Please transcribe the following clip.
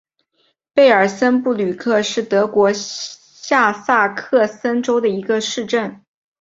贝尔森布吕克是德国下萨克森州的一个市镇。